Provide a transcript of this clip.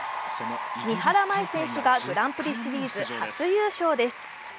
三原舞依選手がグランプリシリーズ初優勝です。